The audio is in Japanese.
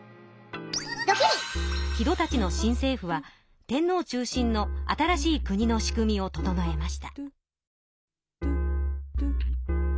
木戸たちの新政府は天皇中心の新しい国の仕組みを整えました。